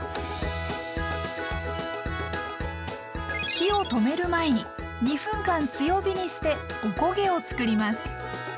火を止める前に２分間強火にしておこげをつくります。